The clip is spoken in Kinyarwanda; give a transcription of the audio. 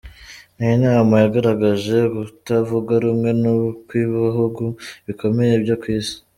Ni inama yagaragaje ukutavuga rumwe kw'ibihugu bikomeye byo ku isi.